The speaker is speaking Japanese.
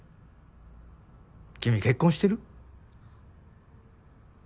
君結婚してる？